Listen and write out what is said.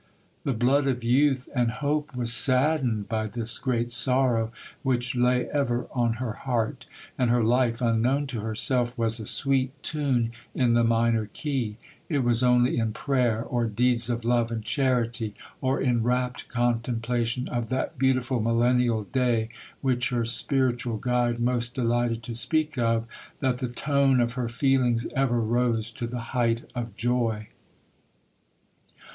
The blood of youth and hope was saddened by this great sorrow, which lay ever on her heart,—and her life, unknown to herself, was a sweet tune in the minor key; it was only in prayer, or deeds of love and charity, or in rapt contemplation of that beautiful millennial day which her spiritual guide most delighted to speak of, that the tone of her feelings ever rose to the height of joy.